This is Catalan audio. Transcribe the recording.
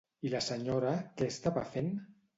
I la senyora, què estava fent?